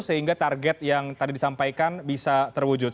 sehingga target yang tadi disampaikan bisa terwujud